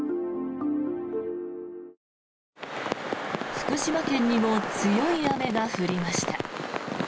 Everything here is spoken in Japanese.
福島県にも強い雨が降りました。